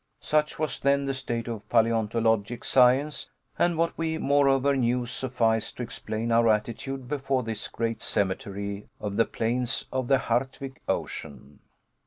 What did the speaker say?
Such was then the state of paleontologic science, and what we moreover knew sufficed to explain our attitude before this great cemetery of the plains of the Hardwigg Ocean.